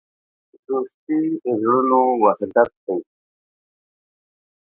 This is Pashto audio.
دوستي د زړونو وحدت دی.